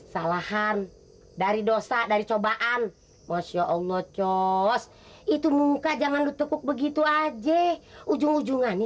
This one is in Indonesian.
salahan dari dosa dari cobaan masya allah cos itu muka jangan ditekuk begitu aja ujung ujungannya